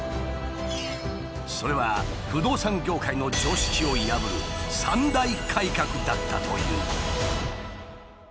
それは不動産業界の常識を破る「３大改革」だったという。